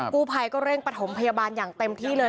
กู้ภัยก็เร่งประถมพยาบาลอย่างเต็มที่เลย